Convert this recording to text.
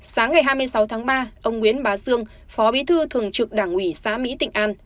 sáng ngày hai mươi sáu tháng ba ông nguyễn bá dương phó bí thư thường trực đảng ủy xã mỹ tịnh an